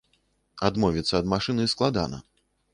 Адмовіцца ад машыны складана.